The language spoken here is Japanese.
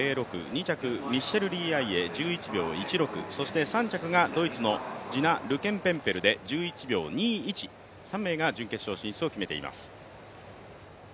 ２着ミッシェル・リー・アイエ１１秒１６そして３着がドイツのジナ・ルケンケムペルで１１秒２１．３名が準決勝進出を決めています。